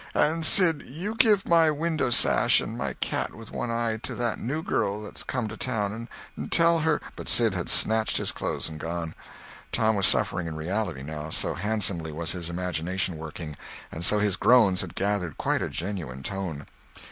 And Sid, you give my window sash and my cat with one eye to that new girl that's come to town, and tell her—" But Sid had snatched his clothes and gone. Tom was suffering in reality, now, so handsomely was his imagination working, and so his groans had gathered quite a genuine tone.